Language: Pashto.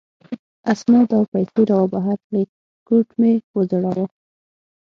اسناد او پیسې را وبهر کړې، کوټ مې و ځړاوه.